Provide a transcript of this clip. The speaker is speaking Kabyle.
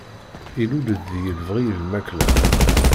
Illul-d deg-i lebɣi i lmakla.